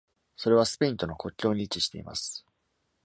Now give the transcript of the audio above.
それはスペインとの国境に位置しています。